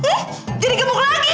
jadi gemuk lagi